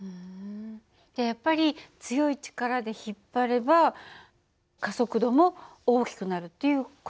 じゃやっぱり強い力で引っ張れば加速度も大きくなるっていう事なのね。